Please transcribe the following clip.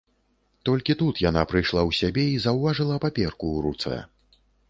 Толькі тут яна прыйшла ў сябе і заўважыла паперку ў руцэ.